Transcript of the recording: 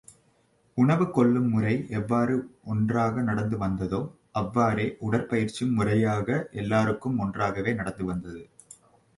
உணவு கொள்ளும் முறை எவ்வாறு ஒன்றாக நடந்து வந்ததோ, அவ்வாறே உடற்பயிற்சியும் முறையாக எல்லாருக்கும் ஒன்றாகவே நடந்துவந்தது.